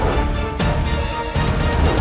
dan menangkap kake guru